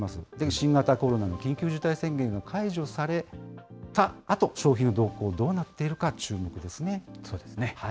新型コロナの緊急事態宣言が解除されたあと、消費の動向どうなっているか注目ですね。